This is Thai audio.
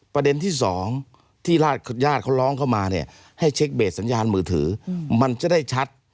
ประเด็นที่สองที่ญาติเขาร้องเข้ามาเนี่ยให้เช็คเบสสัญญาณมือถือมันจะได้ชัด